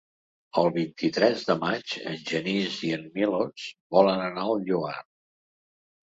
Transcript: El vint-i-tres de maig en Genís i en Milos volen anar al Lloar.